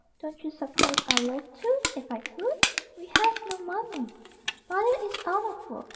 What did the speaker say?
Don't you suppose I'd love to, if I could? We have no money. Father is out of work.